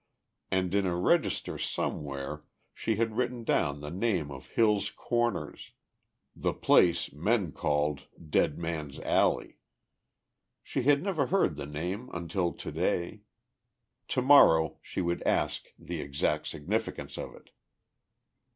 And in a register somewhere she had written down the name of Hill's Corners. The place men called Dead Man's Alley. She had never heard the name until today. Tomorrow she would ask the exact significance of it....